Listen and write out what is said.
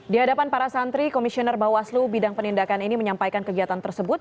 di hadapan para santri komisioner bawaslu bidang penindakan ini menyampaikan kegiatan tersebut